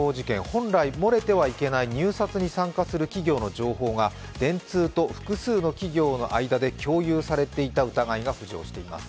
本来漏れてはいけない入札に参加する企業の情報が電通と複数の企業の間で共有されていた疑いがあります。